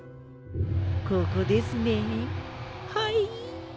ここですねはい。